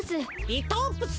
リトープス？